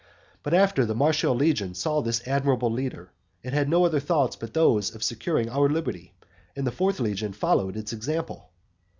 But after the Martial legion saw this admirable leader, it had no other thoughts but those of securing our liberty. And the fourth legion followed its example.